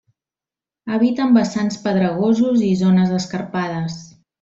Habita en vessants pedregosos i zones escarpades.